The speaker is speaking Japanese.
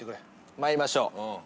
まいりましょう。